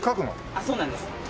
あっそうなんです。